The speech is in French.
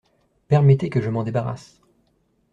Permettez que je m’en débarrasse.